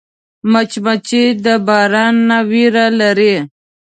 مچمچۍ د باران نه ویره لري